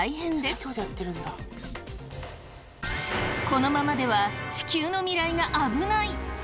このままでは地球の未来が危ない！